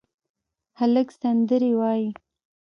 هلک سندرې وايي